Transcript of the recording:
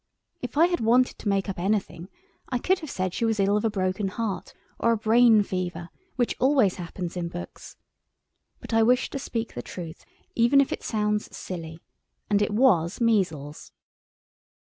If I had wanted to make up anything I could have said she was ill of a broken heart or a brain fever, which always happens in books. But I wish to speak the truth even if it sounds silly. And it was measles.